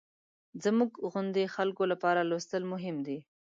زموږ غوندې خلکو لپاره لوستل مهم دي.